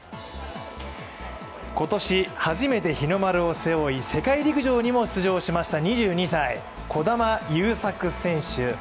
今年、初めて日の丸を背負い世界陸上にも出場しました２２歳、児玉悠作選手。